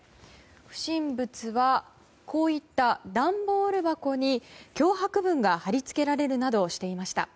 不審物はこういった段ボール箱に脅迫文が貼り付けられるなどしていました。